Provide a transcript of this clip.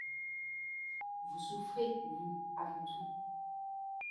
Vous souffrez, vous avant tout.